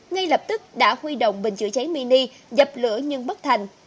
ngay lập tức đã huy động bình chữa cháy mini dập lửa nhưng bất thành